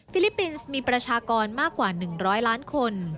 ลิปปินส์มีประชากรมากกว่า๑๐๐ล้านคน